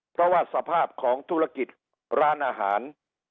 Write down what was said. เพราะว่าสภาพของธุรกิจร้านอาหาร